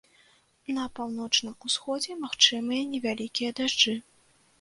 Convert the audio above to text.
На паўночным усходзе магчымыя невялікія дажджы.